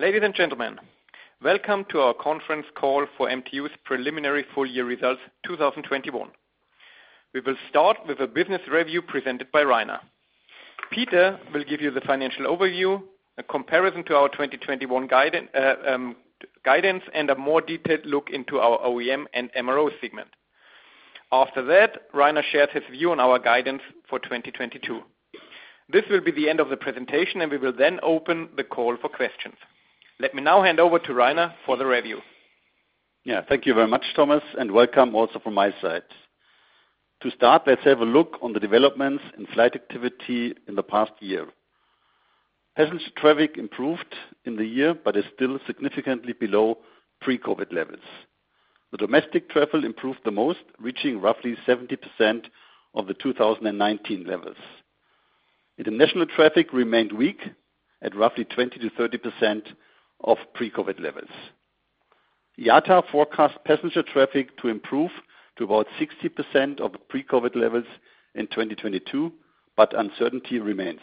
Ladies and gentlemen, welcome to our conference call for MTU's preliminary full year results 2021. We will start with a business review presented by Reiner. Peter will give you the financial overview, a comparison to our 2021 guidance, and a more detailed look into our OEM and MRO segment. After that, Reiner shares his view on our guidance for 2022. This will be the end of the presentation, and we will then open the call for questions. Let me now hand over to Reiner for the review. Yeah. Thank you very much, Thomas, and welcome also from my side. To start, let's have a look on the developments in flight activity in the past year. Passenger traffic improved in the year but is still significantly below pre-COVID levels. Domestic travel improved the most, reaching roughly 70% of the 2019 levels. International traffic remained weak at roughly 20%-30% of pre-COVID levels. IATA forecasts passenger traffic to improve to about 60% of pre-COVID levels in 2022, but uncertainty remains.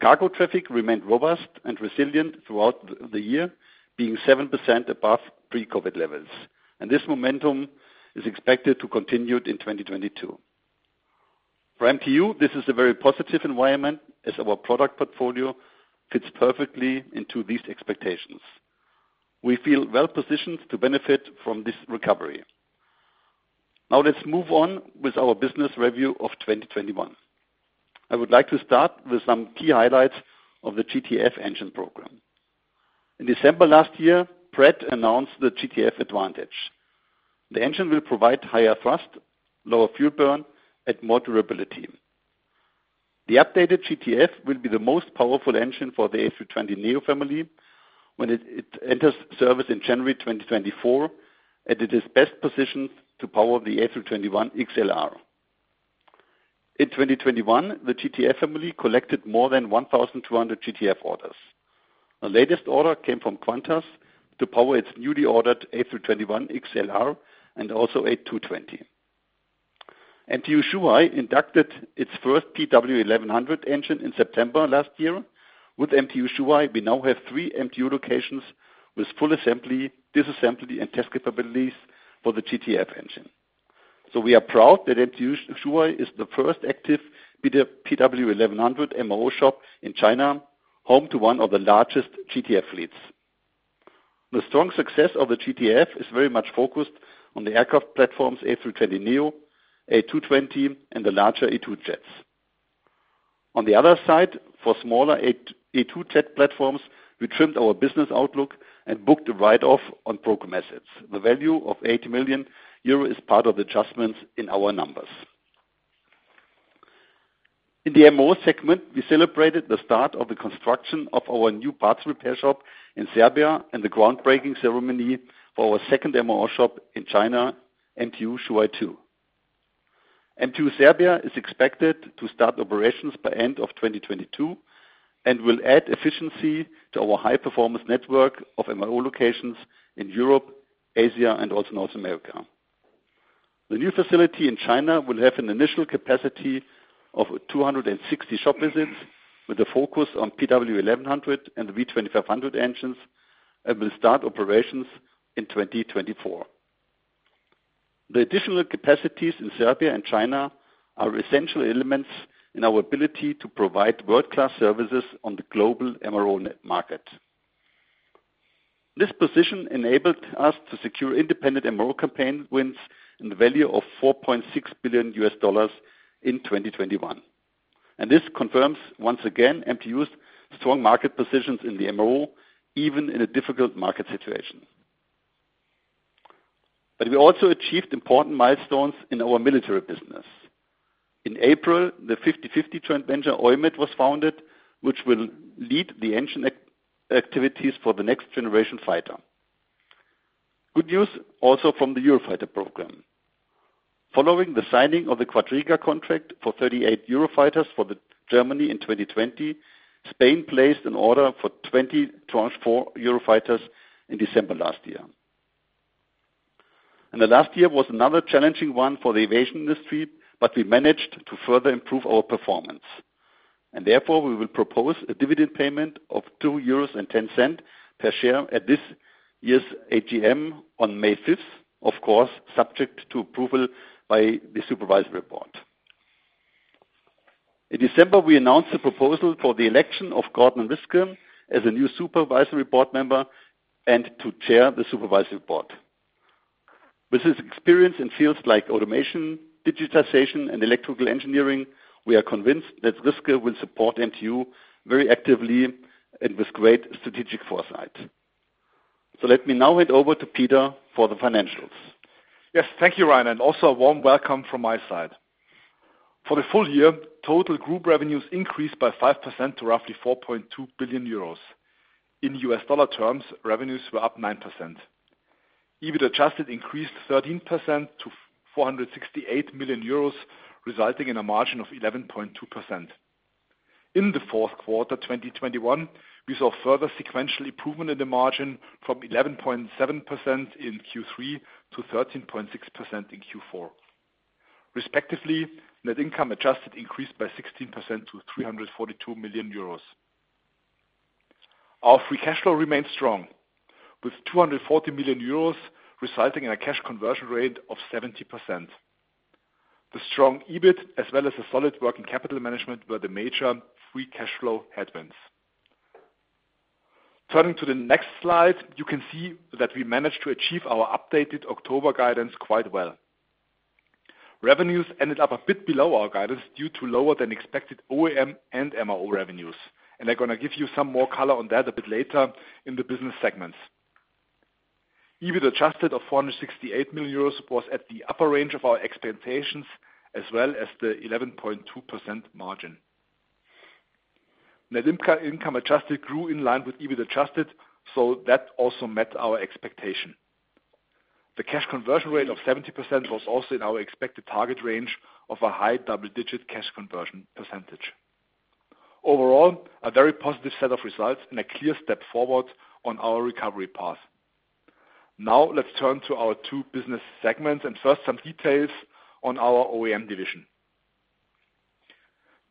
Cargo traffic remained robust and resilient throughout the year, being 7% above pre-COVID levels, and this momentum is expected to continue in 2022. For MTU, this is a very positive environment as our product portfolio fits perfectly into these expectations. We feel well-positioned to benefit from this recovery. Now let's move on with our business review of 2021. I would like to start with some key highlights of the GTF engine program. In December last year, Pratt announced the GTF Advantage. The engine will provide higher thrust, lower fuel burn, and more durability. The updated GTF will be the most powerful engine for the A320neo family when it enters service in January 2024, and it is best positioned to power the A321XLR. In 2021, the GTF family collected more than 1,200 GTF orders. The latest order came from Qantas to power its newly ordered A321XLR and also A220. MTU Zhuhai inducted its first PW1100 engine in September last year. With MTU Zhuhai, we now have three MTU locations with full assembly, disassembly, and test capabilities for the GTF engine. We are proud that MTU Maintenance Zhuhai is the first active PW1100G MRO shop in China, home to one of the largest GTF fleets. The strong success of the GTF is very much focused on the aircraft platforms A320neo, A220, and the larger A220s. On the other side, for smaller A220 platforms, we trimmed our business outlook and booked a write-off on program assets. The value of 80 million euro is part of the adjustments in our numbers. In the MRO segment, we celebrated the start of the construction of our new parts repair shop in Serbia and the groundbreaking ceremony for our second MRO shop in China, MTU Maintenance Zhuhai 2. MTU Maintenance Serbia is expected to start operations by end of 2022 and will add efficiency to our high-performance network of MRO locations in Europe, Asia, and also North America. The new facility in China will have an initial capacity of 260 shop visits, with a focus on PW1100 and the V2500 engines, and will start operations in 2024. The additional capacities in Serbia and China are essential elements in our ability to provide world-class services on the global MRO net market. This position enabled us to secure independent MRO campaign wins in the value of $4.6 billion in 2021. This confirms once again MTU's strong market positions in the MRO, even in a difficult market situation. We also achieved important milestones in our military business. In April, the 50/50 joint venture, EUMET, was founded, which will lead the engine activities for the Next-Generation Fighter. Good news also from the Eurofighter program. Following the signing of the Quadriga contract for 38 Eurofighters for Germany in 2020, Spain placed an order for 20 Tranche 4 Eurofighters in December last year. The last year was another challenging one for the aviation industry, but we managed to further improve our performance. Therefore, we will propose a dividend payment of 2.10 euros per share at this year's AGM on May 5th, of course, subject to approval by the supervisory board. In December, we announced a proposal for the election of Gordon Riske as a new supervisory board member and to chair the supervisory board. With his experience in fields like automation, digitization, and electrical engineering, we are convinced that Riske will support MTU very actively and with great strategic foresight. Let me now hand over to Peter for the financials. Yes. Thank you, Reiner, and also a warm welcome from my side. For the full year, total group revenues increased by 5% to roughly 4.2 billion euros. In US dollar terms, revenues were up 9%. EBIT adjusted increased 13% to 468 million euros, resulting in a margin of 11.2%. In the fourth quarter of 2021, we saw further sequential improvement in the margin from 11.7% in Q3 to 13.6% in Q4. Respectively, net income adjusted increased by 16% to 342 million euros. Our free cash flow remains strong with 240 million euros resulting in a cash conversion rate of 70%. The strong EBIT, as well as a solid working capital management, were the major free cash flow headwinds. Turning to the next slide, you can see that we managed to achieve our updated October guidance quite well. Revenues ended up a bit below our guidance due to lower than expected OEM and MRO revenues, and I'm gonna give you some more color on that a bit later in the business segments. EBIT adjusted of 468 million euros was at the upper range of our expectations, as well as the 11.2% margin. Net income adjusted grew in line with EBIT adjusted, so that also met our expectation. The cash conversion rate of 70% was also in our expected target range of a high double-digit cash conversion percentage. Overall, a very positive set of results and a clear step forward on our recovery path. Now, let's turn to our two business segments, and first, some details on our OEM division.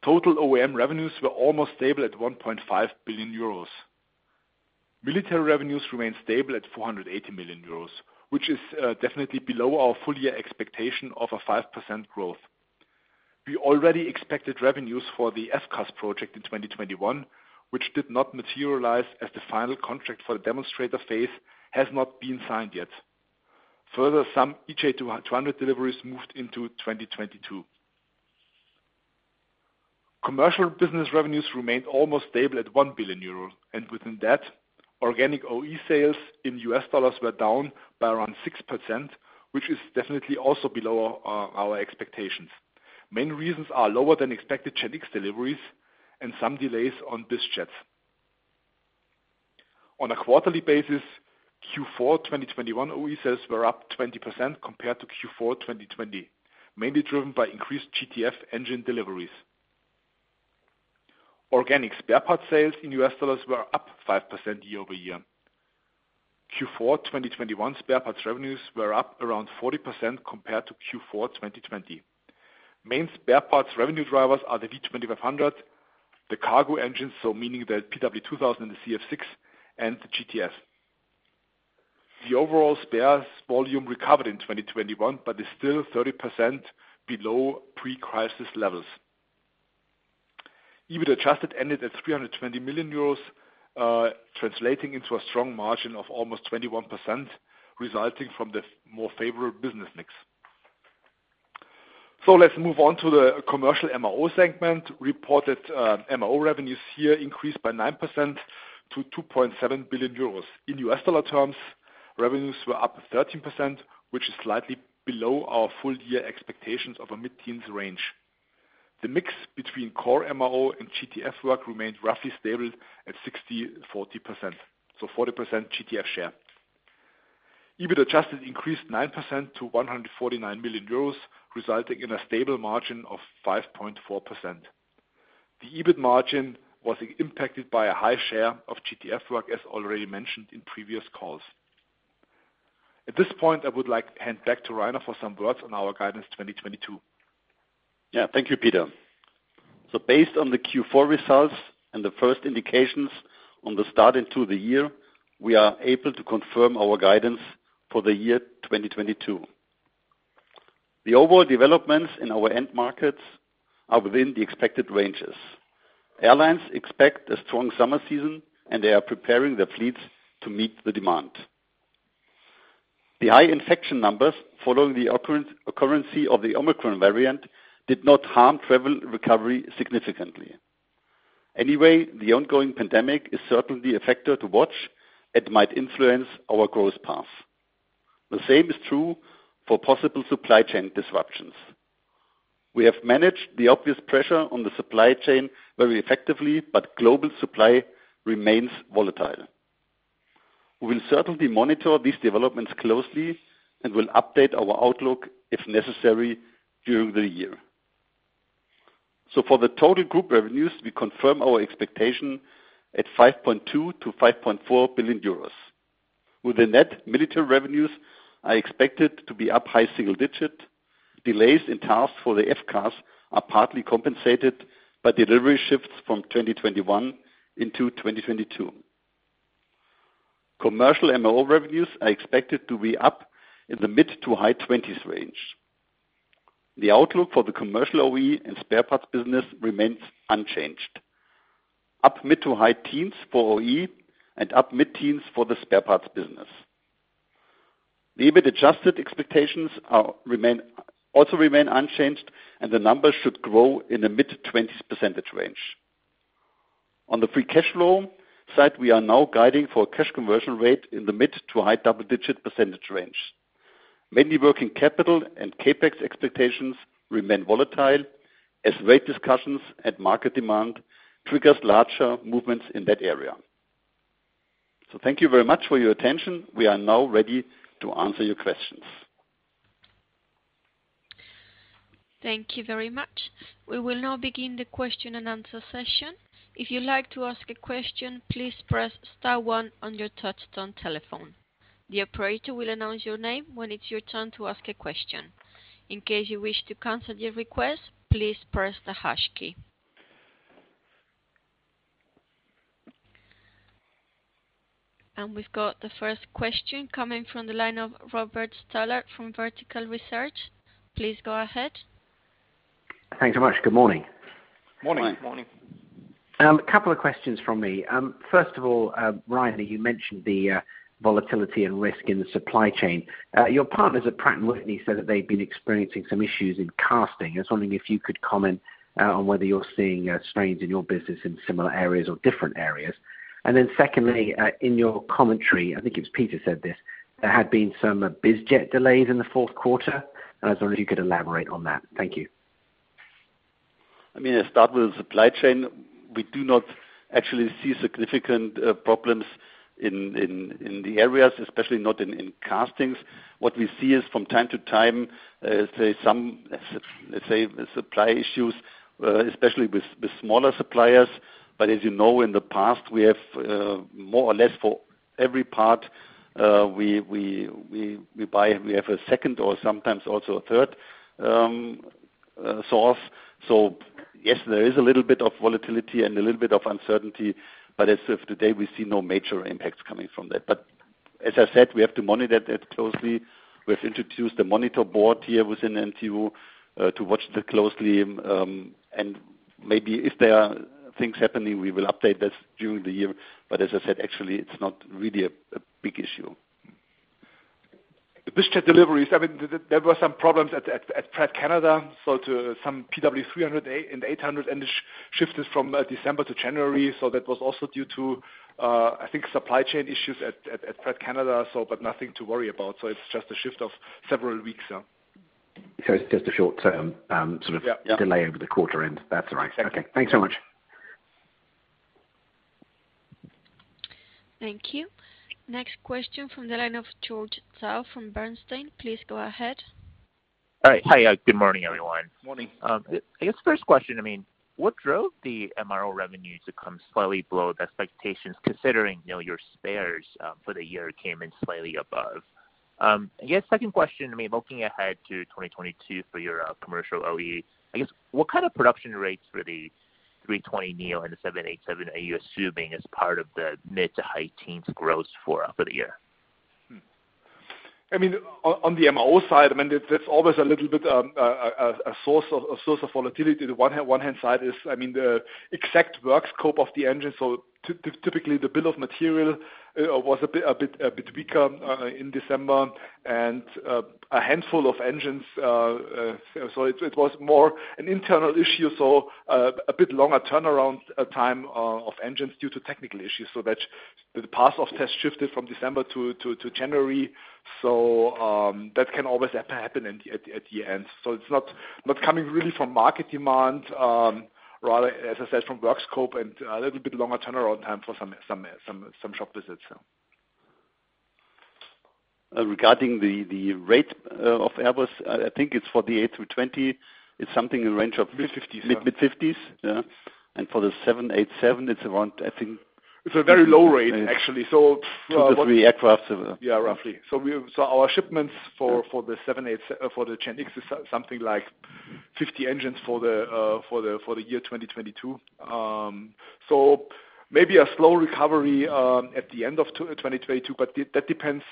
Total OEM revenues were almost stable at 1.5 billion euros. Military revenues remained stable at 480 million euros, which is definitely below our full year expectation of a 5% growth. We already expected revenues for the FCAS project in 2021, which did not materialize as the final contract for the demonstrator phase has not been signed yet. Further, some EJ200 deliveries moved into 2022. Commercial business revenues remained almost stable at 1 billion euros, and within that, organic OE sales in US dollars were down by around 6%, which is definitely also below our expectations. Main reasons are lower than expected GEnx deliveries and some delays on Bizjets. On a quarterly basis, Q4 of 2021 OE sales were up 20% compared to Q4 of 2020, mainly driven by increased GTF engine deliveries. Organic spare parts sales in US dollars were up 5% year-over-year. Q4 of 2021 spare parts revenues were up around 40% compared to Q4 of 2020. Main spare parts revenue drivers are the V2500, the cargo engines, so meaning the PW2000 and the CF6, and the GTF. The overall spares volume recovered in 2021, but is still 30% below pre-crisis levels. EBIT adjusted ended at 320 million euros, translating into a strong margin of almost 21% resulting from the more favorable business mix. Let's move on to the commercial MRO segment. Reported MRO revenues here increased by 9% to 2.7 billion euros. In US dollar terms, revenues were up 13%, which is slightly below our full year expectations of a mid-teens range. The mix between core MRO and GTF work remained roughly stable at 60/40%, so 40% GTF share. EBIT adjusted increased 9% to 149 million euros, resulting in a stable margin of 5.4%. The EBIT margin was impacted by a high share of GTF work, as already mentioned in previous calls. At this point, I would like to hand back to Reiner for some words on our guidance 2022. Yeah. Thank you, Peter. Based on the Q4 results and the first indications on the start into the year, we are able to confirm our guidance for the year 2022. The overall developments in our end markets are within the expected ranges. Airlines expect a strong summer season, and they are preparing their fleets to meet the demand. The high infection numbers following the occurrence of the Omicron variant did not harm travel recovery significantly. Anyway, the ongoing pandemic is certainly a factor to watch. It might influence our growth path. The same is true for possible supply chain disruptions. We have managed the obvious pressure on the supply chain very effectively, but global supply remains volatile. We will certainly monitor these developments closely and will update our outlook if necessary during the year. For the total group revenues, we confirm our expectation at 5.2 billion-5.4 billion euros. While the net military revenues are expected to be up high single digits. Delays in tasks for the FCAS are partly compensated by delivery shifts from 2021 into 2022. Commercial MRO revenues are expected to be up in the mid-to high-20s range. The outlook for the commercial OE and spare parts business remains unchanged. Up mid- to high-teens for OE and up mid-teens for the spare parts business. The EBIT adjusted expectations also remain unchanged, and the numbers should grow in the mid-20s percentage range. On the free cash flow side, we are now guiding for cash conversion rate in the mid- to high double-digit percentage range. Mainly working capital and CapEx expectations remain volatile as rate discussions and market demand triggers larger movements in that area. Thank you very much for your attention. We are now ready to answer your questions. Thank you very much. We will now begin the question and answer session. If you'd like to ask a question, please press star one on your touchtone telephone. The operator will announce your name when it's your turn to ask a question. In case you wish to cancel your request, please press the hash key. We've got the first question coming from the line of Robert Stallard from Vertical Research. Please go ahead. Thanks so much. Good morning. Morning. Morning. Couple of questions from me. First of all, Reiner, you mentioned the volatility and risk in the supply chain. Your partners at Pratt & Whitney said that they've been experiencing some issues in casting. I was wondering if you could comment on whether you're seeing strains in your business in similar areas or different areas. Secondly, in your commentary, I think it was Peter said this, there had been some biz jet delays in the fourth quarter. I was wondering if you could elaborate on that. Thank you. I mean, I start with supply chain. We do not actually see significant problems in the areas, especially not in castings. What we see is from time to time, let's say supply issues, especially with smaller suppliers. As you know, in the past, we have more or less for every part we buy, we have a second or sometimes also a third source. Yes, there is a little bit of volatility and a little bit of uncertainty, but as of today, we see no major impacts coming from that. As I said, we have to monitor that closely. We have introduced a monitor board here within MTU to watch that closely. Maybe if there are things happening, we will update this during the year. As I said, actually, it's not really a big issue. The Bizjet deliveries, I mean, there were some problems at Pratt Canada. To some PW300 and 800 shifted from December to January. That was also due to, I think supply chain issues at Pratt Canada, but nothing to worry about. It's just a shift of several weeks, yeah. It's just a short term. Yeah, yeah. Delay over the quarter end. That's all right. Okay, thanks so much. Thank you. Next question from the line of George Zhao from Bernstein. Please go ahead. All right. Hi. Good morning, everyone. Morning. I guess first question, I mean, what drove the MRO revenue to come slightly below the expectations considering, you know, your spares for the year came in slightly above? I guess second question, I mean, looking ahead to 2022 for your commercial OE, I guess, what kind of production rates for the A320neo and the 787 are you assuming as part of the mid- to high-teens growth for the year? I mean, on the MRO side, it's always a little bit a source of volatility. On the one hand is the exact work scope of the engine. Typically the bill of material was a bit weaker in December and a handful of engines. It was more an internal issue, a bit longer turnaround time of engines due to technical issues. The batch of tests shifted from December to January. That can always happen at the end. It's not coming really from market demand, rather, as I said, from work scope and a little bit longer turnaround time for some shop visits. Regarding the rate of Airbus, I think it's for the A320. It's something in range of Mid-50s. Mid-50s. Yeah. For the 787, it's around, I think- It's a very low rate, actually. Two to three aircrafts. Yeah, roughly. Our shipments for the GEnx is something like 50 engines for the year 2022. Maybe a slow recovery at the end of 2022, but that depends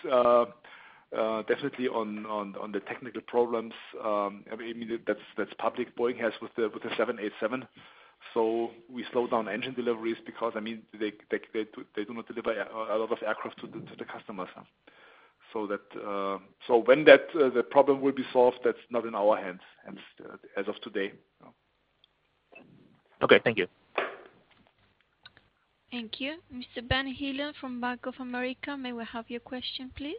definitely on the technical problems. I mean, that's public Boeing has with the 787. We slow down engine deliveries because, I mean, they do not deliver a lot of aircraft to the customers. When that problem will be solved, that's not in our hands as of today. Okay, thank you. Thank you. Mr. Benjamin Heelan from Bank of America, may we have your question, please?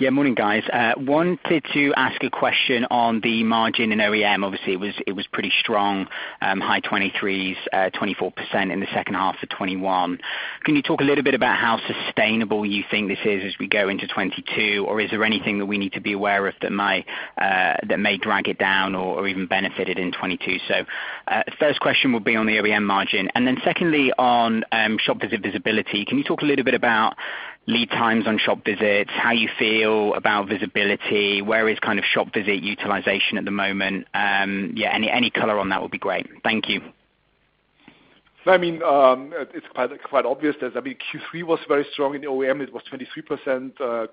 Yeah, morning, guys. Wanted to ask a question on the margin in OEM. Obviously, it was pretty strong, high twenties, 24% in the second half of 2021. Can you talk a little bit about how sustainable you think this is as we go into 2022? Or is there anything that we need to be aware of that may drag it down or even benefit it in 2022? First question will be on the OEM margin. Secondly on shop visit visibility. Can you talk a little bit about lead times on shop visits? How you feel about visibility? Where is kind of shop visit utilization at the moment? Yeah, any color on that would be great. Thank you. I mean, it's quite obvious. I mean, Q3 was very strong in the OEM. It was 23%. Q4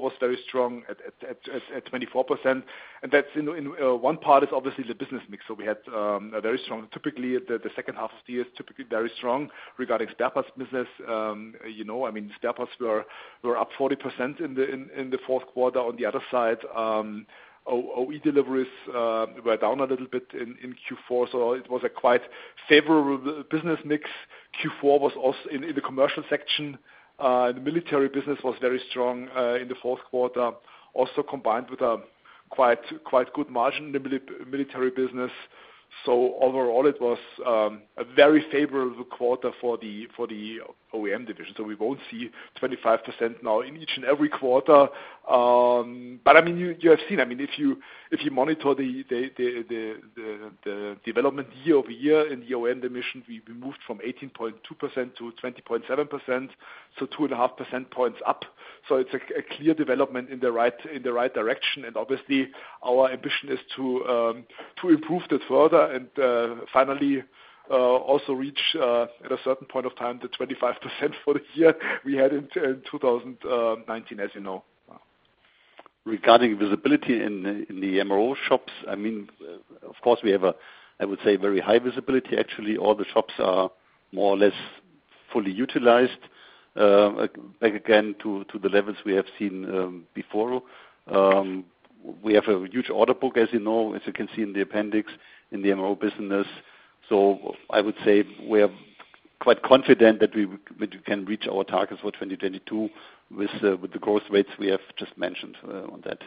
was very strong at 24%. That's, you know, in one part is obviously the business mix. Typically, the second half of the year is typically very strong regarding step-up business. You know, I mean, step-ups were up 40% in the fourth quarter. On the other side, OE deliveries were down a little bit in Q4, so it was a quite favorable business mix. Q4 was also in the commercial section, and the military business was very strong in the fourth quarter, also combined with a quite good margin in the military business. Overall, it was a very favorable quarter for the OEM division. We won't see 25% now in each and every quarter. I mean, you have seen, I mean, if you monitor the development year-over-year in the OEM division, we moved from 18.2% to 20.7%, so 2.5 percentage points up. It's a clear development in the right direction. Obviously, our ambition is to improve that further and finally also reach at a certain point of time the 25% for the year we had in 2019, as you know. Regarding visibility in the MRO shops, I mean, of course, we have, I would say, very high visibility. Actually, all the shops are more or less fully utilized back again to the levels we have seen before. We have a huge order book, as you know, as you can see in the appendix, in the MRO business. I would say we are quite confident that we can reach our targets for 2022 with the growth rates we have just mentioned on that.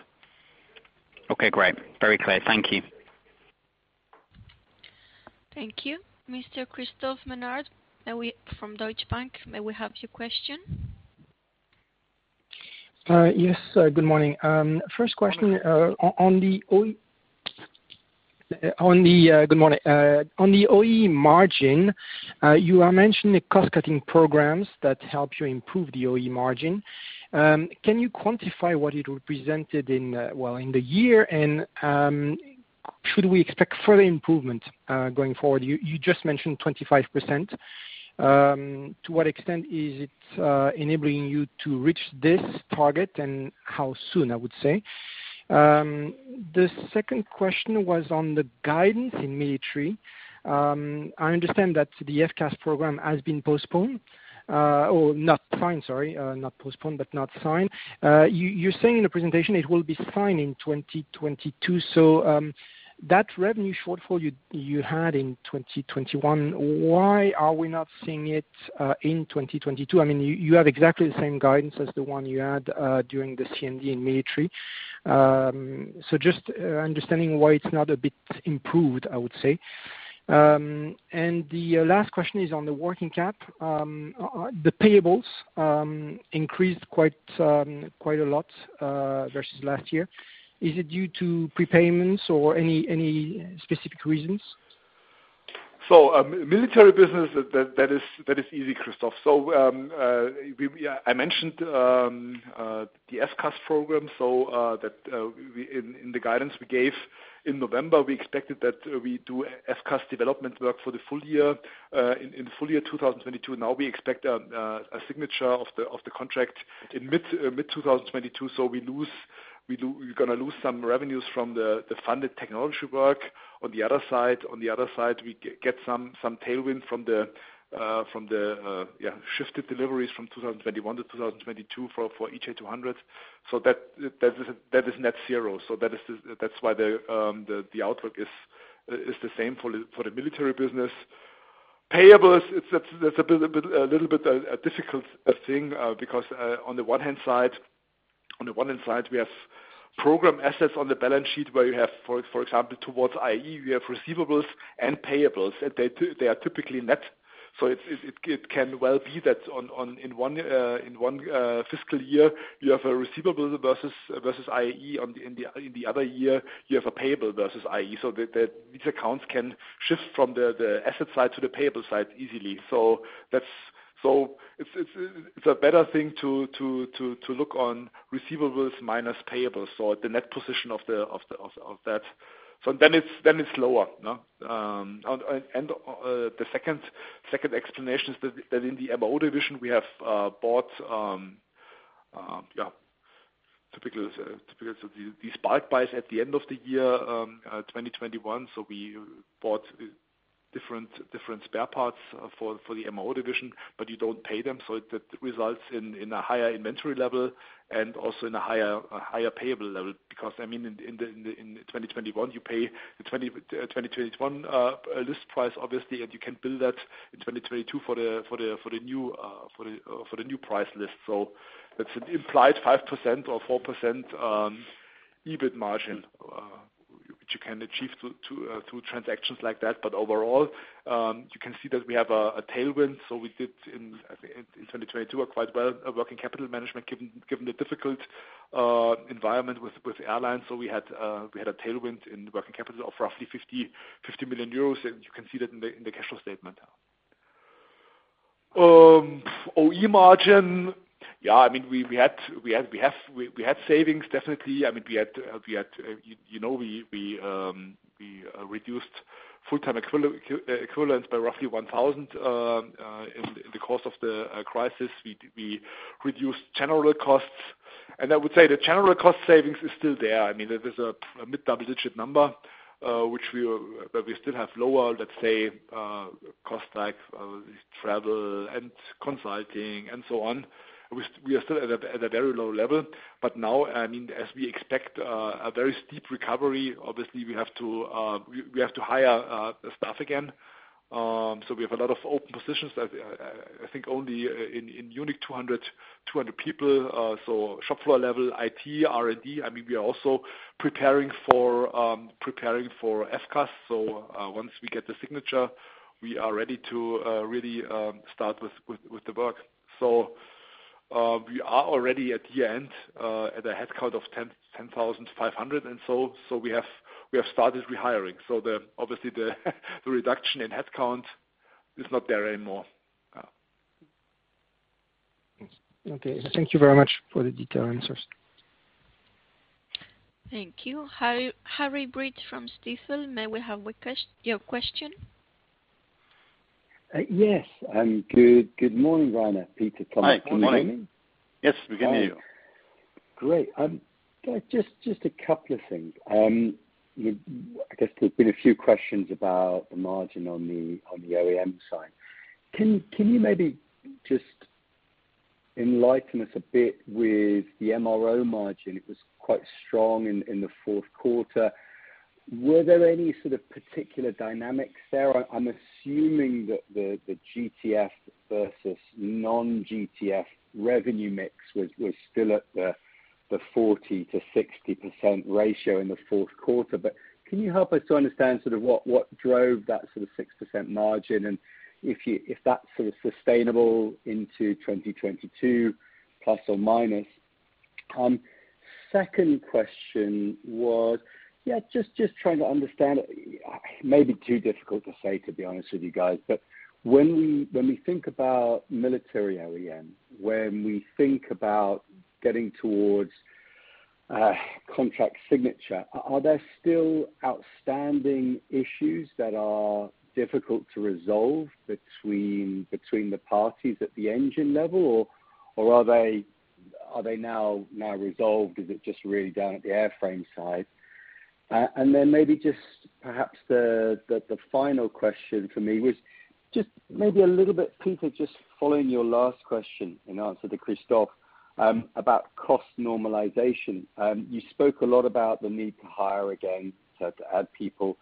Okay, great. Very clear. Thank you. Thank you. Mr. Christophe Menard from Deutsche Bank, may we have your question? Yes, good morning. First question, on the OE margin, you are mentioning cost-cutting programs that help you improve the OE margin. Can you quantify what it represented in, well, in the year? Should we expect further improvement going forward? You just mentioned 25%. To what extent is it enabling you to reach this target, and how soon, I would say? The second question was on the guidance in military. I understand that the FCAS program has been postponed, or not signed, sorry, not postponed, but not signed. You're saying in the presentation it will be signed in 2022. That revenue shortfall you had in 2021, why are we not seeing it in 2022? I mean, you have exactly the same guidance as the one you had during the CMD in military. So just understanding why it's not a bit improved, I would say. And the last question is on the working cap. The payables increased quite a lot versus last year. Is it due to prepayments or any specific reasons? Military business, that is easy, Christophe. I mentioned the FCAS program. In the guidance we gave in November, we expected that we do FCAS development work for the full year in 2022. Now we expect a signature of the contract in mid-2022. We're gonna lose some revenues from the funded technology work. On the other side, we get some tailwind from the shifted deliveries from 2021 to 2022 for EJ200. That is net zero. That is why the outlook is the same for the military business. Payables, it's a bit difficult because on the one hand, we have program assets on the balance sheet where you have, for example, towards IAE, we have receivables and payables. They are typically net. It can well be that in one fiscal year, you have a receivable versus IAE. In the other year, you have a payable versus IAE. These accounts can shift from the asset side to the payable side easily. It's better to look at receivables minus payables. The net position of that. It's lower, no? The second explanation is that in the MRO division we have bought typical these part buys at the end of the year 2021. We bought different spare parts for the MRO division, but you don't pay them. That results in a higher inventory level and also in a higher payable level. Because, I mean, in 2021 you pay the 2021 list price, obviously, and you can bill that in 2022 for the new price list. That's an implied 5% or 4% EBIT margin, which you can achieve through transactions like that. Overall, you can see that we have a tailwind. We did, I think in 2022, quite well in working capital management given the difficult environment with airlines. We had a tailwind in working capital of roughly 50 million euros, and you can see that in the cash flow statement. OE margin. Yeah, I mean, we had savings, definitely. I mean, you know, we reduced full-time equivalents by roughly 1,000 in the course of the crisis. We reduced general costs. I would say the general cost savings is still there. I mean, it is a mid-double-digit number, which we are, but we still have lower, let's say, costs like, travel and consulting and so on. We are still at a very low level. Now, I mean, as we expect a very steep recovery, obviously we have to hire staff again. We have a lot of open positions. I think only in Munich, 200 people, so shop floor level, IT, R&D. I mean, we are also preparing for FCAS. Once we get the signature, we are ready to really start with the work. We are already at the end at a headcount of 10,500. We have started rehiring. Obviously, the reduction in headcount is not there anymore. Okay. Thank you very much for the detailed answers. Thank you. Harry Breach from Stifel, may we have your question? Yes, good morning, Reiner, Peter. Can you hear me? Hi. Good morning. Yes, we can hear you. Great. Just a couple of things. I guess there's been a few questions about the margin on the OEM side. Can you maybe just enlighten us a bit with the MRO margin? It was quite strong in the fourth quarter. Were there any sort of particular dynamics there? I'm assuming that the GTF versus non-GTF revenue mix was still at the 40%-60% ratio in the fourth quarter. But can you help us to understand sort of what drove that sort of 6% margin and if that's sort of sustainable into 2022, plus or minus? Second question was. Yeah, just trying to understand. It may be too difficult to say, to be honest with you guys. When we think about military OEM, when we think about getting towards contract signature, are there still outstanding issues that are difficult to resolve between the parties at the engine level or are they now resolved? Is it just really down at the airframe side? And then maybe just perhaps the final question for me was just maybe a little bit, Peter, just following your last question in answer to Christophe, about cost normalization. You spoke a lot about the need to hire again, so to add people.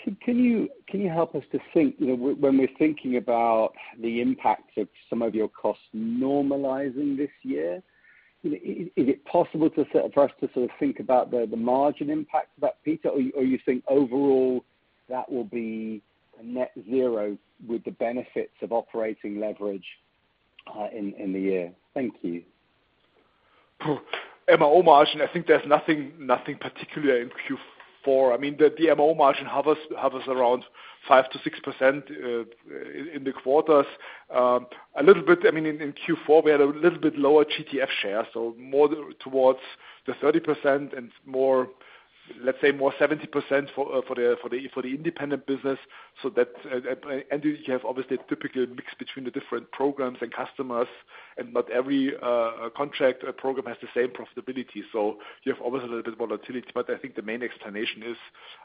Can you help us to think, you know, when we're thinking about the impact of some of your costs normalizing this year, is it possible to sort of for us to sort of think about the margin impact of that, Peter? You think overall that will be a net zero with the benefits of operating leverage, in the year? Thank you. MRO margin, I think there's nothing particular in Q4. I mean, the OEM margin hovers around 5%-6% in the quarters. A little bit, I mean, in Q4, we had a little bit lower GTF share, so more towards the 30% and, let's say, 70% for the independent business. That, and you have obviously a typical mix between the different programs and customers and not every contract or program has the same profitability. You have obviously a little bit of volatility. I think the main explanation is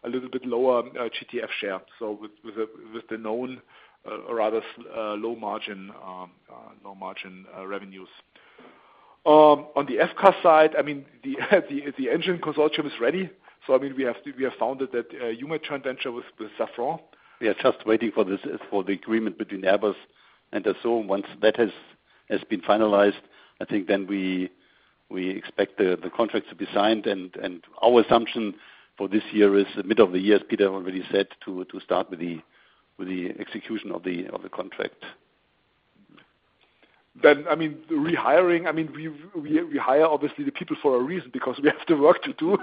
a little bit lower GTF share with the known, rather low margin revenues. On the FCAS side, I mean, the engine consortium is ready. I mean, we have formed the EUMET joint venture with Safran. We are just waiting for this, for the agreement between Airbus and Dassault. Once that has been finalized, I think then we expect the contract to be signed and our assumption for this year is the middle of the year, as Peter already said, to start with the execution of the contract. I mean, the rehiring, I mean, we hire obviously the people for a reason, because we have the work to do.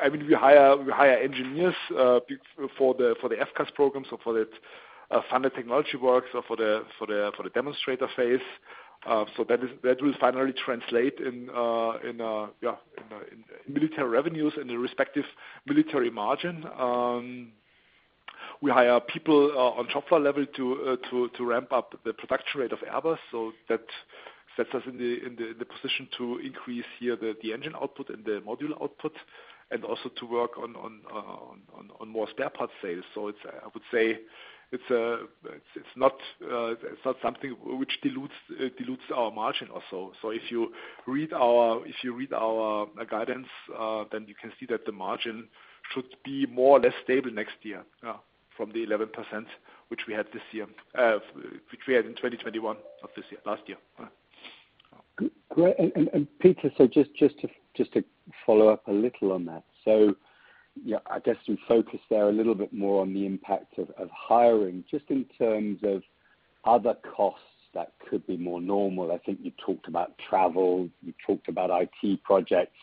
I mean, we hire engineers for the FCAS program, so for the funded technology work, so for the demonstrator phase. So that will finally translate in military revenues and the respective military margin. We hire people on top floor level to ramp up the production rate of Airbus. That sets us in the position to increase here the engine output and the module output and also to work on more spare parts sales. I would say it's not something which dilutes our margin also. If you read our guidance, then you can see that the margin should be more or less stable next year, from the 11% which we had this year, which we had in 2021 of this year, last year. Great. Peter, just to follow up a little on that. Yeah, I guess you focused there a little bit more on the impact of hiring. Just in terms of other costs that could be more normal, I think you talked about travel, you talked about IT projects.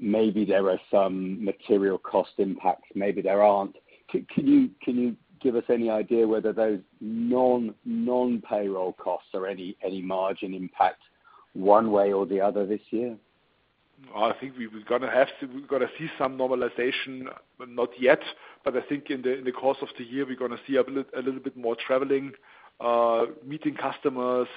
Maybe there are some material cost impacts, maybe there aren't. Can you give us any idea whether those non-payroll costs or any margin impact one way or the other this year? I think we're gonna see some normalization, but not yet. I think in the course of the year, we're gonna see a little bit more traveling, meeting customers,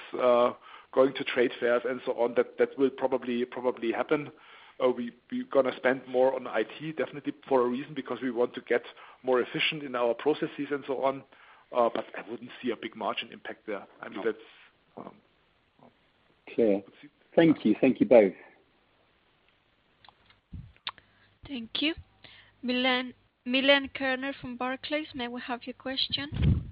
going to trade fairs and so on. That will probably happen. We're gonna spend more on IT definitely for a reason, because we want to get more efficient in our processes and so on. I wouldn't see a big margin impact there. I mean, that's. Clear. Thank you. Thank you both. Thank you. Milène Kerner from Barclays, may we have your question?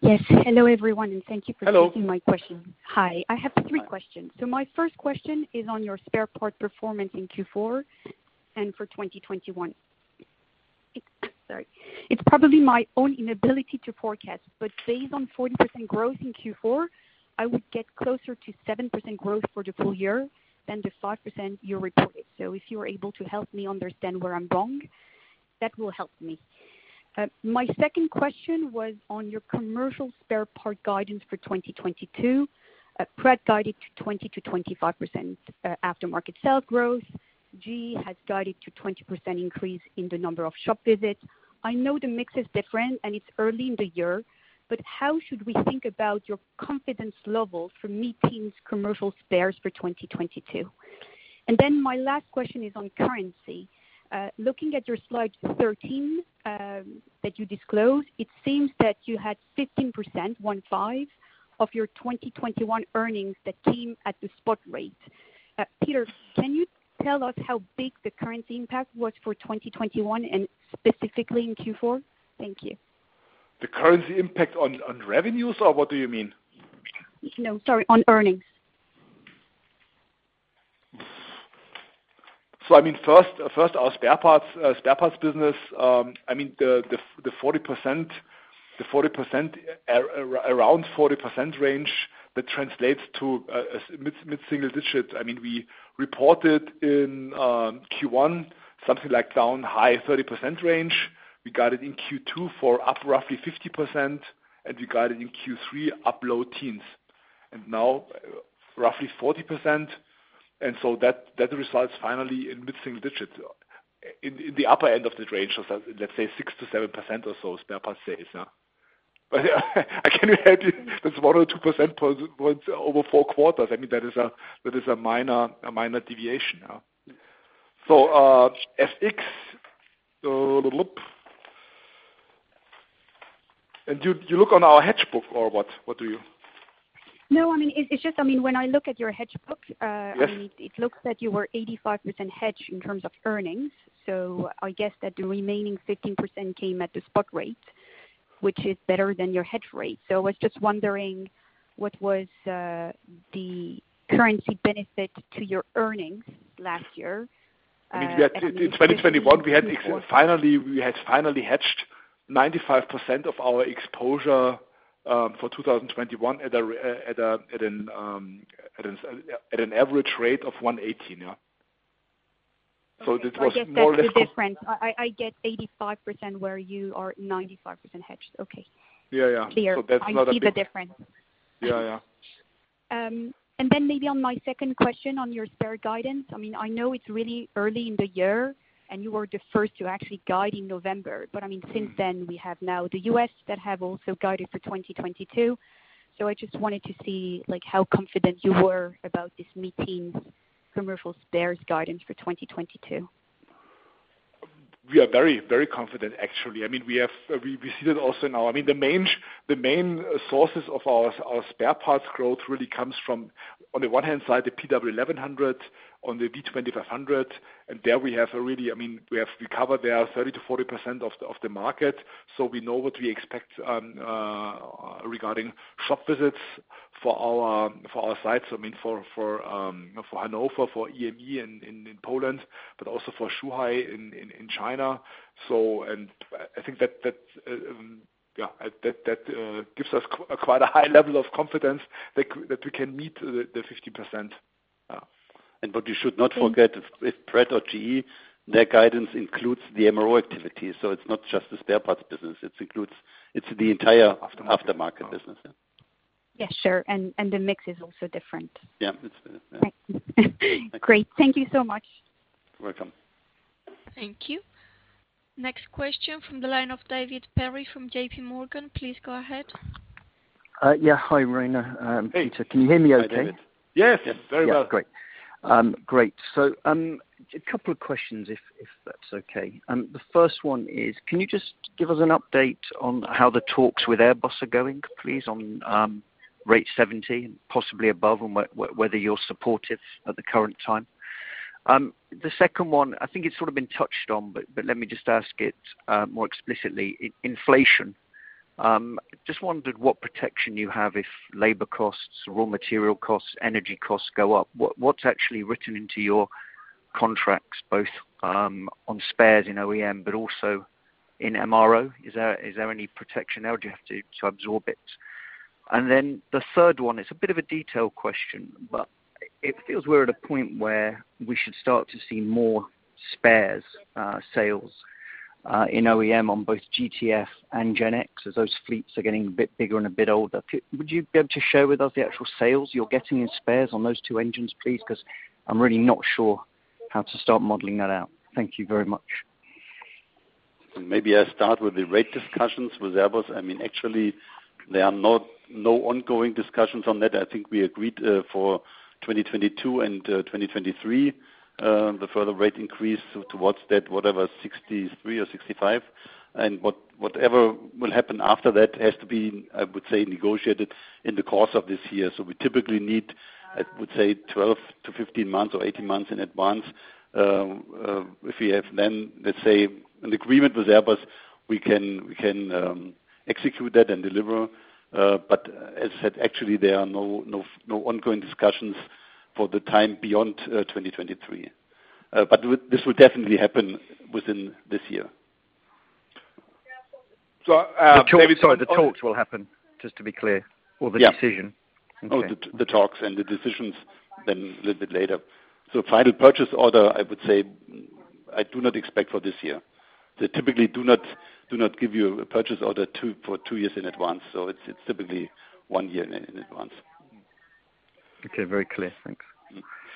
Yes. Hello, everyone, and thank you for taking my question. Hello. Hi. I have three questions. My first question is on your spare parts performance in Q4 and for 2021. Sorry. It's probably my own inability to forecast, but based on 40% growth in Q4, I would get closer to 7% growth for the full year than the 5% you reported. If you are able to help me understand where I'm wrong, that will help me. My second question was on your commercial spare part guidance for 2022. Pratt guided to 20%-25% aftermarket sales growth. GE has guided to 20% increase in the number of shop visits. I know the mix is different and it's early in the year, but how should we think about your confidence level for meeting commercial spares for 2022? My last question is on currency. Looking at your slide 13, that you disclosed, it seems that you had 15%, one five, of your 2021 earnings that came at the spot rate. Peter, can you tell us how big the currency impact was for 2021 and specifically in Q4? Thank you. The currency impact on revenues, or what do you mean? No. Sorry, on earnings. I mean, first our spare parts business. I mean, the around 40% range, that translates to a mid-single digits. I mean, we reported in Q1 something like down high 30% range. We got it in Q2 up roughly 50%, and we got it in Q3 up low teens. Now roughly 40%, so that results finally in mid-single digits. In the upper end of that range, let's say 6%-7% or so spare part sales, yeah. But I can assure you that's 1 or 2 percentage points over four quarters. I mean, that is a minor deviation, yeah. FX. You look on our hedge book or what? What do you? No. I mean, it's just, I mean, when I look at your hedge book Yes. I mean, it looks like you were 85% hedged in terms of earnings. I guess that the remaining 15% came at the spot rate, which is better than your hedge rate. I was just wondering what was the currency benefit to your earnings last year, and specifically in Q4. In 2021 we had finally hedged 95% of our exposure for 2021 at an average rate of 1.18, yeah. It was more or less- I get that's the difference. I get 85% where you are 95% hedged. Okay. Yeah, yeah. Clear. That's not a big- I see the difference. Yeah, yeah. Maybe on my second question on your spares guidance. I mean, I know it's really early in the year, and you were the first to actually guide in November. I mean, since then we have now the U.S. that have also guided for 2022. I just wanted to see, like, how confident you were about this meeting commercial spares guidance for 2022. We are very confident actually. I mean, we see that also now. I mean, the main sources of our spare parts growth really comes from on the one-hand side, the PW1100 on the V2500, and there we have already. I mean, we have recovered there 30%-40% of the market. We know what we expect regarding shop visits for our sites. I mean, for Hannover, for EME in Poland, but also for Zhuhai in China. I think that that gives us quite a high level of confidence that we can meet the 50%, yeah. What you should not forget is if Pratt or GE, their guidance includes the MRO activity. It's not just the spare parts business. It includes, it's the entire aftermarket business, yeah. Yeah, sure. The mix is also different. Yeah. It's yeah. Great. Thank you so much. Welcome. Thank you. Next question from the line of David Perry from JPMorgan. Please go ahead. Yeah. Hi, Reiner. Peter, can you hear me okay? Yes. Very well. Yeah. Great. Great. A couple of questions if that's okay. The first one is can you just give us an update on how the talks with Airbus are going, please, on rate 70 and possibly above, and whether you're supportive at the current time? The second one, I think it's sort of been touched on, but let me just ask it more explicitly. Inflation. Just wondered what protection you have if labor costs, raw material costs, energy costs go up. What's actually written into your contracts both on spares in OEM, but also in MRO. Is there any protection there or do you have to absorb it? The third one, it's a bit of a detailed question, but it feels we're at a point where we should start to see more spares sales in OEM on both GTF and GEnx as those fleets are getting a bit bigger and a bit older. Peter, would you be able to share with us the actual sales you're getting in spares on those two engines, please? 'Cause I'm really not sure how to start modeling that out. Thank you very much. Maybe I start with the rate discussions with Airbus. I mean, actually there are no ongoing discussions on that. I think we agreed for 2022 and 2023 the further rate increase towards that, whatever 63 or 65. Whatever will happen after that has to be, I would say, negotiated in the course of this year. We typically need, I would say 12-15 months or 18 months in advance. If we have then, let's say an agreement with Airbus, we can execute that and deliver. But as I said, actually there are no ongoing discussions for the time beyond 2023. But this will definitely happen within this year. So, uh, The talks will happen just to be clear. Yeah. the decision? The talks and the decisions then a little bit later. Final purchase order, I would say I do not expect for this year. They typically do not give you a purchase order for two years in advance. It's typically one year in advance. Okay. Very clear. Thanks.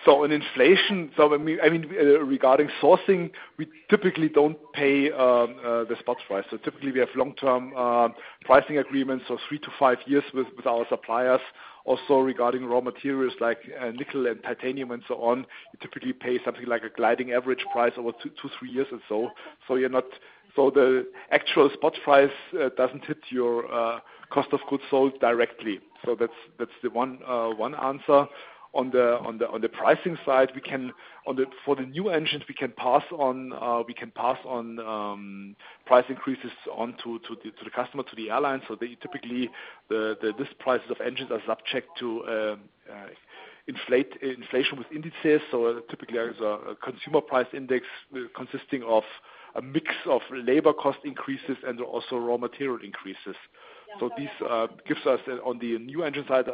I mean, regarding sourcing, we typically don't pay the spot price. Typically we have long-term pricing agreements, three to five years with our suppliers. Also regarding raw materials like nickel and titanium and so on, we typically pay something like a gliding average price over two to three years or so. The actual spot price doesn't hit your cost of goods sold directly. That's the one answer. On the pricing side, for the new engines we can pass on price increases to the customer, to the airlines. These prices of engines are subject to inflation with indices. Typically there is a consumer price index consisting of a mix of labor cost increases and also raw material increases. This gives us on the new engine side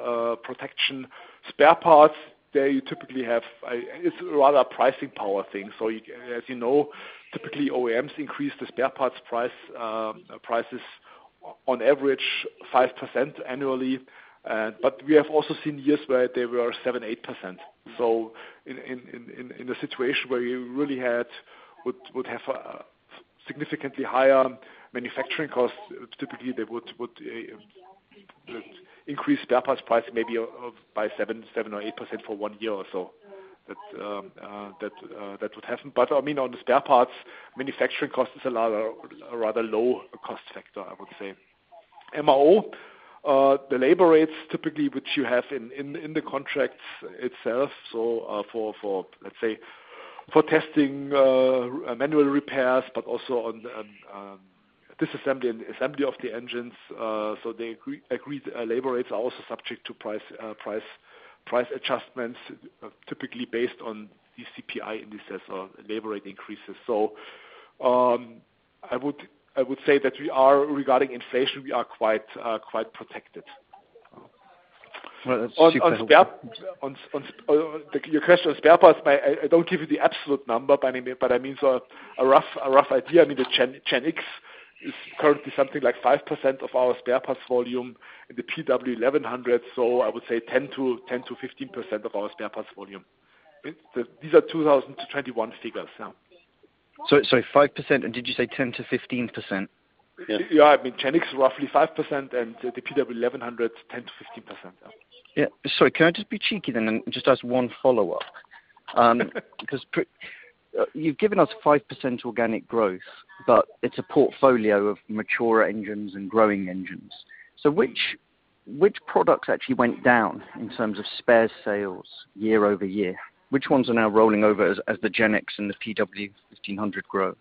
protection. Spare parts they typically have. It's rather a pricing power thing. You, as you know, typically OEMs increase the spare parts prices on average 5% annually. We have also seen years where they were 7%, 8%. In a situation where you really would have significantly higher manufacturing costs, typically they would increase spare parts price maybe by 7% or 8% for one year or so. That would happen. I mean, on the spare parts manufacturing cost is relatively low cost factor, I would say. The labor rates typically, which you have in the contracts itself. For let's say testing, manual repairs, but also on disassembly and assembly of the engines. The agreed labor rates are also subject to price adjustments, typically based on the CPI indices or labor rate increases. I would say that we are regarding inflation, we are quite protected. Well, it's super helpful. Your question on spare parts, I don't give you the absolute number, but I mean a rough idea. I mean, the GEnx is currently something like 5% of our spare parts volume and the PW1100. So I would say 10%-15% of our spare parts volume. These are 2021 figures now. Sorry, 5%. Did you say 10%-15%? Yeah. I mean, GEnx is roughly 5% and the PW1100, 10%-15%. Yeah. Sorry, can I just be cheeky then and just ask one follow-up? Because you've given us 5% organic growth, but it's a portfolio of mature engines and growing engines. Which products actually went down in terms of spares sales year over year? Which ones are now rolling over as the GEnx and the PW1500 grow?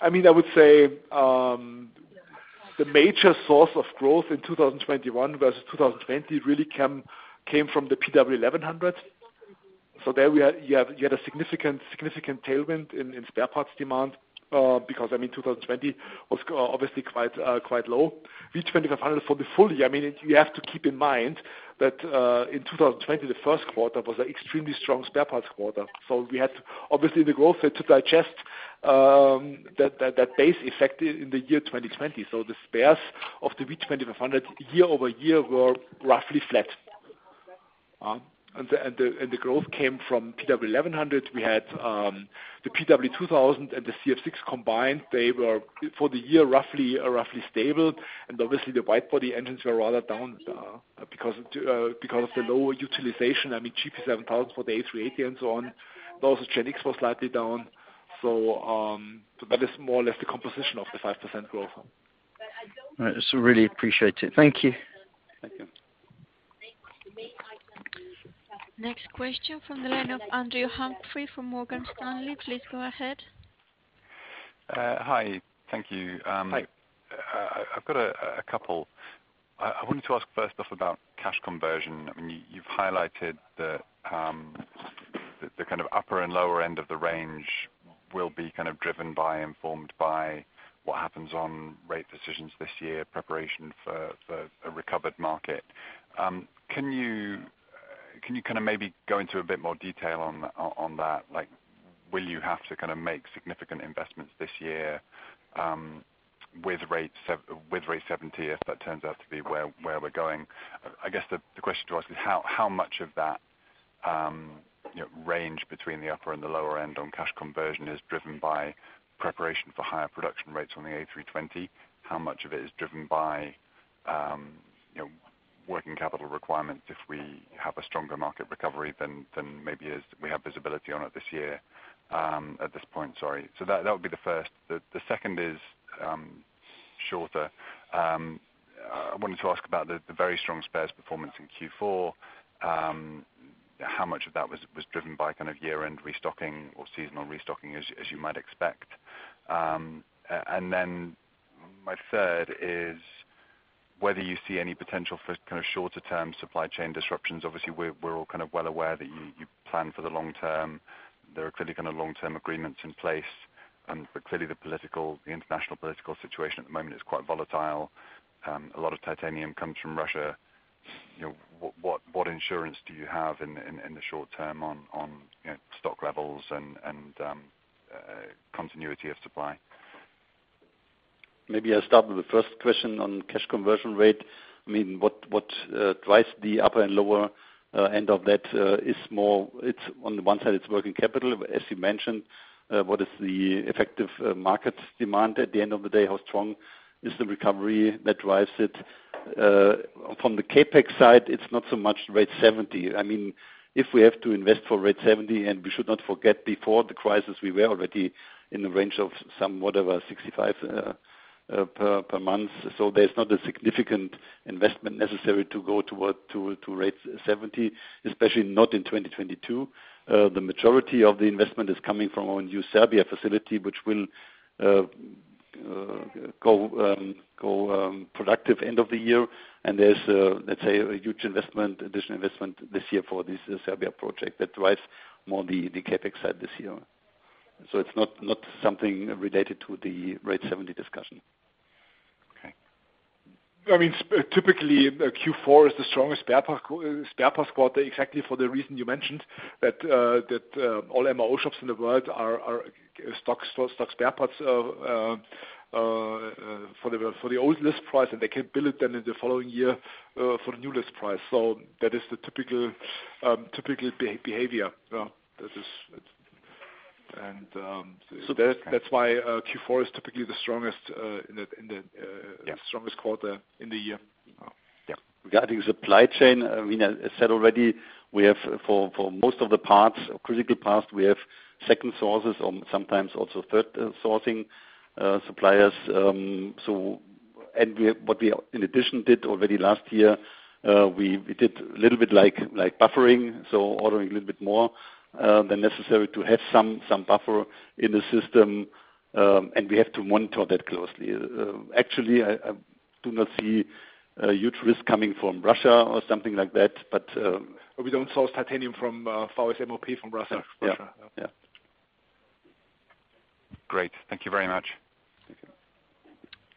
I mean, I would say, the major source of growth in 2021 versus 2020 really came from the PW1100. There we had a significant tailwind in spare parts demand, because I mean, 2020 was obviously quite low. V2500 for the full year, I mean, you have to keep in mind that in 2020, the first quarter was an extremely strong spare parts quarter. We had obviously the growth to digest that base effect in the year 2020. The spares of the V2500 year-over-year were roughly flat. And the growth came from PW1100. We had the PW2000 and the CF6 combined. They were for the year roughly stable. Obviously the wide body engines were rather down because of the lower utilization, I mean, GP7000 for the A380 and so on. Also GEnx was slightly down. That is more or less the composition of the 5% growth. All right. Really appreciate it. Thank you. Thank you. Next question from the line of Andrew Humphrey from Morgan Stanley. Please go ahead. Hi. Thank you. Hi. I've got a couple. I wanted to ask first off about cash conversion. I mean, you've highlighted the kind of upper and lower end of the range will be kind of driven by, informed by what happens on rate decisions this year, preparation for a recovered market. Can you kind of maybe go into a bit more detail on that? Like, will you have to kind of make significant investments this year, with rate 70, if that turns out to be where we're going? I guess the question to ask is how much of that, you know, range between the upper and the lower end on cash conversion is driven by preparation for higher production rates on the A320? How much of it is driven by, you know, working capital requirements if we have a stronger market recovery than maybe we have visibility on it this year, at this point? Sorry. That would be the first. The second is shorter. I wanted to ask about the very strong spares performance in Q4. How much of that was driven by kind of year-end restocking or seasonal restocking as you might expect? And then my third is whether you see any potential for kind of shorter term supply chain disruptions. Obviously we're all kind of well aware that you plan for the long term. There are clearly kind of long term agreements in place, but clearly the international political situation at the moment is quite volatile. A lot of titanium comes from Russia. You know, what insurance do you have in the short term on, you know, stock levels and continuity of supply? Maybe I'll start with the first question on cash conversion rate. I mean, what drives the upper and lower end of that, is more, it's on the one side, it's working capital, as you mentioned. What is the effective market demand at the end of the day, how strong is the recovery that drives it? From the CapEx side, it's not so much rate 70. I mean, if we have to invest for rate 70, and we should not forget, before the crisis, we were already in the range of some, whatever, 65 per month. There's not a significant investment necessary to go toward rate 70, especially not in 2022. The majority of the investment is coming from our new Serbia facility, which will go productive end of the year. There's, let's say, a huge investment, additional investment this year for this, the Serbia project that drives more the CapEx side this year. It's not something related to the rate 70 discussion. Okay. I mean, typically Q4 is the strongest spare parts quarter, exactly for the reason you mentioned that all MRO shops in the world are stocking spare parts for the oldest price, and they can bill them in the following year for the newest price. That is the typical behavior. That's why Q4 is typically the strongest in the Yeah. Strongest quarter in the year. Yeah. Regarding supply chain, I mean, as said already, we have for most of the parts, critical parts, we have second sources or sometimes also third sourcing suppliers. So, what we in addition did already last year, we did a little bit like buffering, so ordering a little bit more than necessary to have some buffer in the system, and we have to monitor that closely. Actually, I do not see a huge risk coming from Russia or something like that, but We don't source titanium from Russia. Yeah. Yeah. Great. Thank you very much.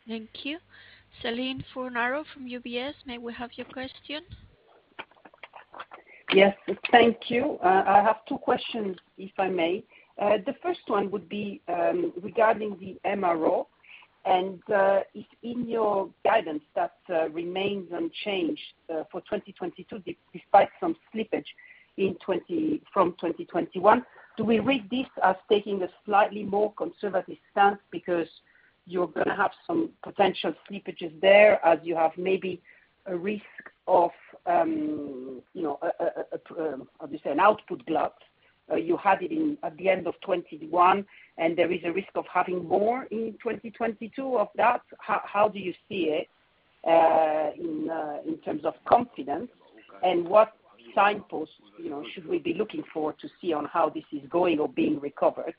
Thank you. Celine Fornaro from UBS, may we have your question? Yes. Thank you. I have two questions, if I may. The first one would be regarding the MRO and if in your guidance that remains unchanged for 2022 despite some slippage in 2021 from 2020. Do we read this as taking a slightly more conservative stance because you're gonna have some potential slippages there as you have maybe a risk of, you know, a how do you say, an output glut? You had it at the end of 2021, and there is a risk of having more in 2022 of that. How do you see it in terms of confidence? And what signposts, you know, should we be looking for to see on how this is going or being recovered?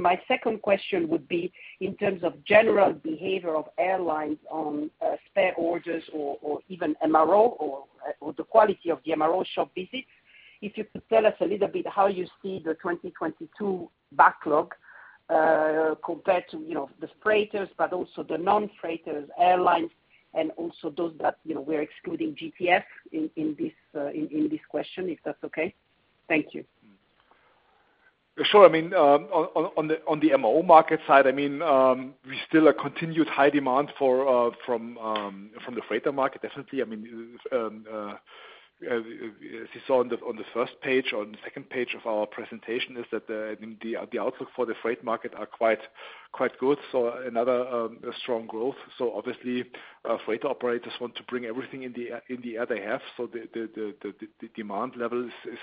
My second question would be in terms of general behavior of airlines on spare orders or even MRO or the quality of the MRO shop visits. If you could tell us a little bit how you see the 2022 backlog compared to, you know, the freighters, but also the non-freighters airlines and also those that, you know, we're excluding GTF in this question, if that's okay. Thank you. Sure. I mean, on the MRO market side, I mean, we still are continued high demand for from the freighter market, definitely. I mean, as you saw on the first page, on the second page of our presentation is that, I mean, the outlook for the freight market are quite good. Another strong growth. Obviously, freighter operators want to bring everything in the air they have. The demand level is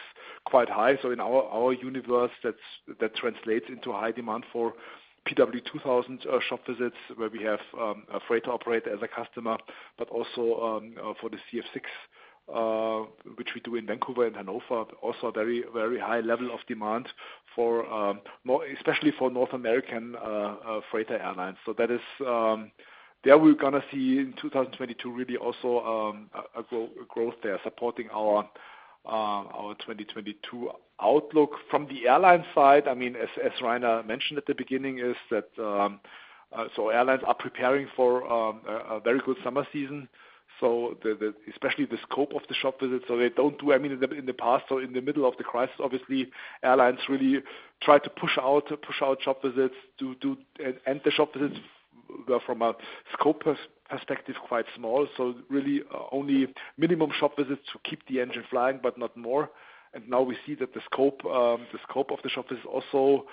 quite high. In our universe, that translates into high demand for PW2000 shop visits where we have a freighter operator as a customer, but also for the CF6, which we do in Vancouver and Hannover, also very high level of demand, more especially for North American freighter airlines. That is, there we're going to see in 2022 really also a growth there supporting our 2022 outlook. From the airline side, I mean, as Reiner mentioned at the beginning, that is, so airlines are preparing for a very good summer season. Especially the scope of the shop visits. I mean, in the past or in the middle of the crisis, obviously, airlines really try to push out shop visits, and the shop visits were from a scope perspective quite small. Really only minimum shop visits to keep the engine flying, but not more. Now we see that the scope of the shop visits also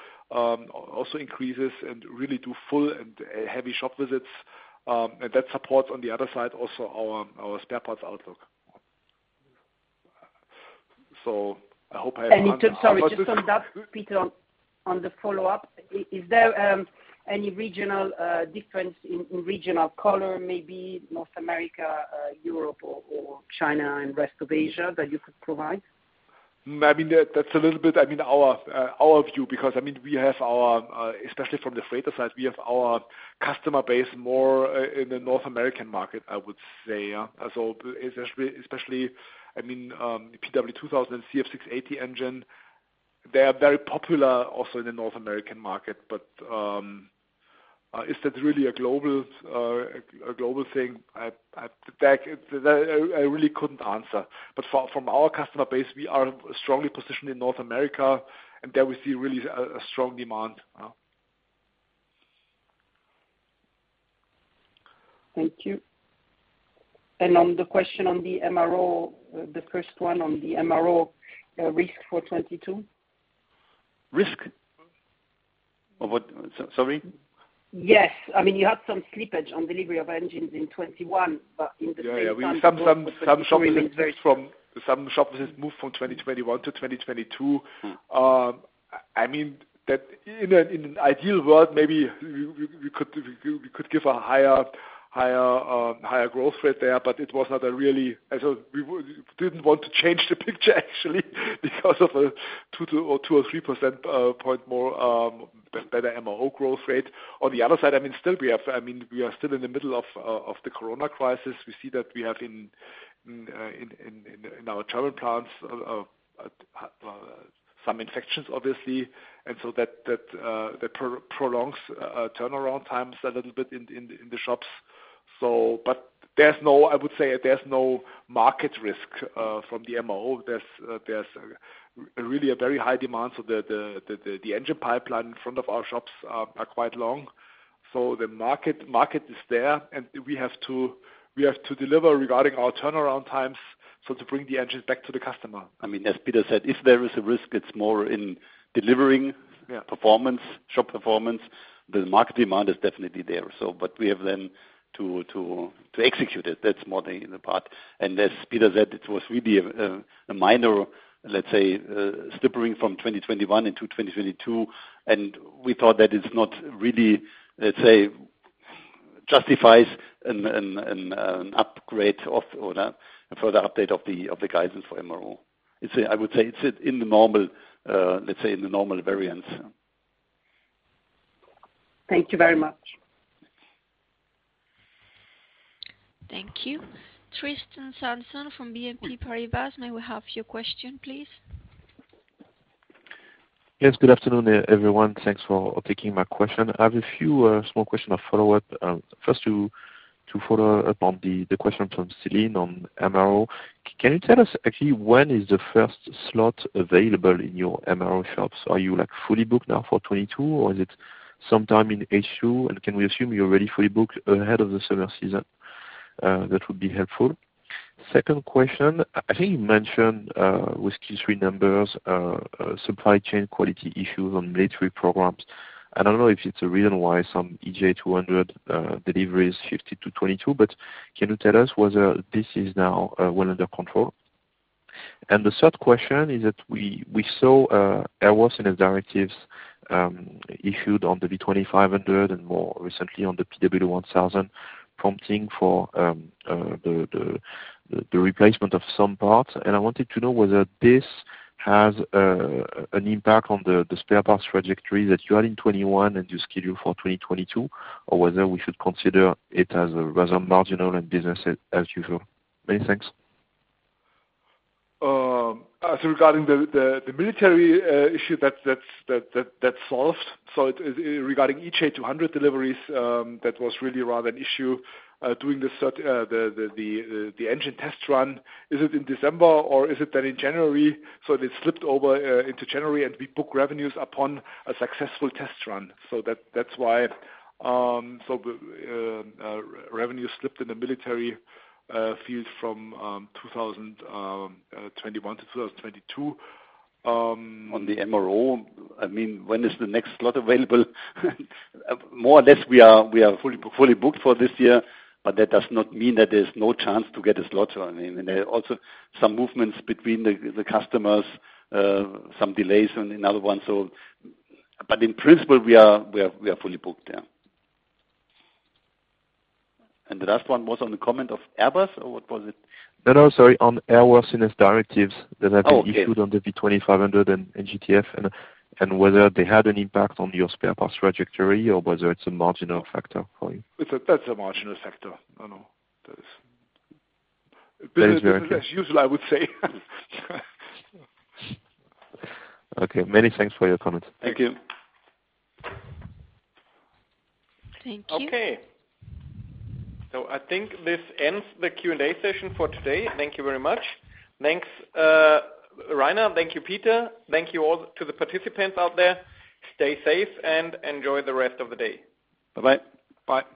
increases and really do full and heavy shop visits. That supports on the other side also our spare parts outlook. I hope I answered. Sorry, just to follow up, Peter, on the follow-up. Is there any regional difference in regional color, maybe North America, Europe or China and rest of Asia that you could provide? I mean, that's a little bit, I mean, our view, because I mean, we have our especially from the freighter side, we have our customer base more in the North American market, I would say, yeah. Especially, I mean, the PW2000 and CF6-80 engine, they are very popular also in the North American market. But is that really a global thing? That I really couldn't answer. But from our customer base, we are strongly positioned in North America, and there we see really a strong demand. Thank you. On the question on the MRO, the first one on the MRO, risk for 2022. Risk? Of what? Sorry. Yes. I mean, you had some slippage on delivery of engines in 2021, but in the same time. Yeah. Some shop visits moved from 2021 to 2022. I mean that in an ideal world, maybe we could give a higher growth rate there, but it was not really. We didn't want to change the picture actually because of a 2 or 3 percentage point more better MRO growth rate. On the other side, I mean, we are still in the middle of the Corona crisis. We see that we have in our travel plans some infections obviously. That prolongs turnaround times a little bit in the shops. I would say there's no market risk from the MRO. There's really a very high demand, so the engine pipeline in front of our shops are quite long. The market is there, and we have to deliver regarding our turnaround times, so to bring the engines back to the customer. I mean, as Peter said, if there is a risk, it's more in delivering. Yeah. OEM performance, shop performance. The market demand is definitely there. We have then to execute it. That's more the part. As Peter said, it was really a minor, let's say, slippage from 2021 into 2022, and we thought that it's not really, let's say, justifies an upgrade of or a further update of the guidance for MRO. It's a. I would say it's in the normal, let's say, variance. Thank you very much. Thank you. Tristan Sanson from BNP Paribas, may we have your question, please? Yes, good afternoon everyone. Thanks for taking my question. I have a few small question of follow-up. First to follow up on the question from Celine on MRO. Can you tell us actually when is the first slot available in your MRO shops? Are you, like, fully booked now for 2022, or is it sometime in H2? And can we assume you're already fully booked ahead of the summer season? That would be helpful. Second question, I think you mentioned with Q3 numbers supply chain quality issues on military programs. I don't know if it's a reason why some EJ200 delivery is shifted to 2022, but can you tell us whether this is now well under control? The third question is that we saw airworthiness directives issued on the V2500 and more recently on the PW1100 prompting for the replacement of some parts. I wanted to know whether this has an impact on the spare parts trajectory that you had in 2021 and you schedule for 2022, or whether we should consider it as rather marginal and business as usual. Many thanks. As regarding the military issue that's solved. Regarding EJ200 deliveries, that was really rather an issue during the third engine test run. Is it in December or is it then in January? It slipped over into January, and we book revenues upon a successful test run. That's why revenue slipped in the military field from 2021 to 2022. On the MRO, I mean, when is the next slot available? More or less we are fully booked for this year, but that does not mean that there's no chance to get a slot. I mean, there are also some movements between the customers, some delays on another one, so. In principle, we are fully booked, yeah. The last one was on the comment of Airbus, or what was it? No, no, sorry. On Airworthiness Directives that have been Oh, okay. ADs issued on the V2500 and GTF and whether they had an impact on your spare parts trajectory or whether it's a marginal factor for you. That's a marginal factor. No. That is. That is very good. Business as usual, I would say. Okay. Many thanks for your comments. Thank you. Thank you. Okay. I think this ends the Q&A session for today. Thank you very much. Thanks, Reiner. Thank you, Peter. Thank you all to the participants out there. Stay safe and enjoy the rest of the day. Bye-bye. Bye.